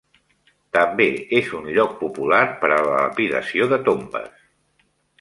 També és un lloc popular per a la lapidació de tombes.